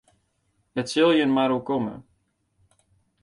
It sil jin mar oerkomme.